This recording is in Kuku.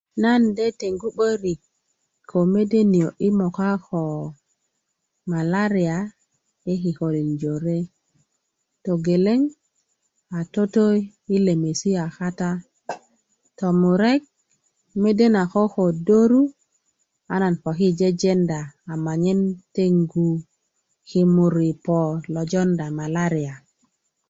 nan de teŋgu 'barik ko mede niyo' i moka ko malaria i kikolin jore togeleŋ a toto i lemesia kata tomurek mede na koko doru a nan poki jejendá a ma'yen teŋu kimur i pó lo jondá malaria